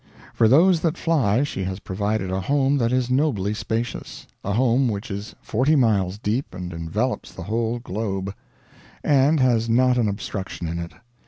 For those that fly she has provided a home that is nobly spacious a home which is forty miles deep and envelops the whole globe, and has not an obstruction in it.